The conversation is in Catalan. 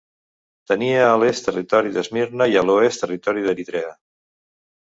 Tenia a l'est territori d'Esmirna i a l'oest territori d'Eritrea.